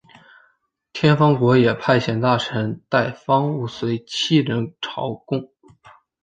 天方国也派遣大臣带方物随七人朝贡。